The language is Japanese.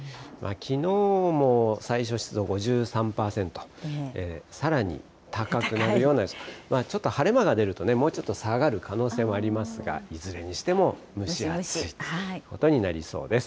きのうも最小湿度５３％、さらに高くなるような、ちょっと晴れ間が出るとね、もうちょっと下がる可能性もありますが、いずれにしても、蒸し暑いということになりそうです。